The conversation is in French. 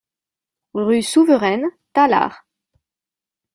Rue Souveraine, Tallard